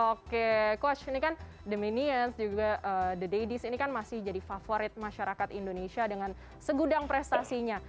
oke coach ini kan the minions juga the daddies ini kan masih jadi favorit masyarakat indonesia dengan segudang prestasinya